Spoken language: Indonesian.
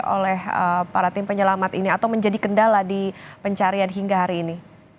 oleh para tim penyelamat ini atau menjadi kendala di pencarian hingga hari ini